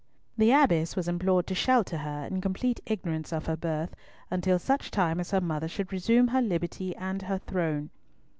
The Abbess was implored to shelter her, in complete ignorance of her birth, until such time as her mother should resume her liberty and her throne.